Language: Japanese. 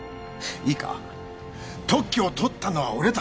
特許を取ったのは俺たちだ。